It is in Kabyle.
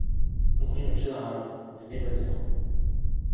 Nekkni mačči d Aɛraben, nekkni d Imaziɣen.